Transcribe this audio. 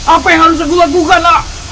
apa yang harus aku lakukan nak